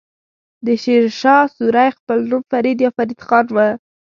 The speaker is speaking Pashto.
د شير شاه سوری خپل نوم فريد يا فريد خان وه.